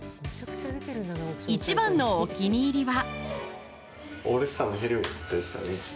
一番のお気に入りは？